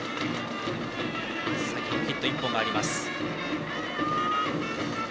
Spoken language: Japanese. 先程ヒット１本あります。